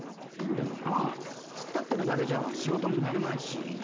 でもなつっ立ってるだけじゃ仕事にならないし。